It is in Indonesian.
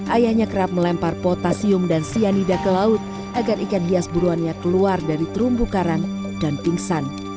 ayahnya kerap melempar potasium dan cyanida ke laut agar ikan hias buruannya keluar dari terumbu karang dan pingsan